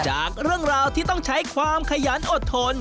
จากเรื่องราวที่ต้องใช้ความขยันอดทน